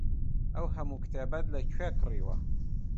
ئەو هەموو کتێبەت لەکوێ کڕیوە؟